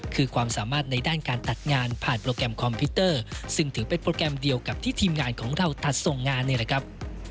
คือความสามารถในด้านการตัดงานผ่านโปรแกรมคอมพิวเตอร์ซึ่งถือเป็นโปรแกรมเดียวกับที่ทีมงานของเราตัดส่งงานนี่แหละครับ